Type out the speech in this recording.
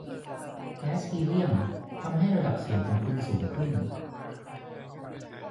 แก๊สฮีเลียมทำให้ระดับเสียงของคุณสูงขึ้น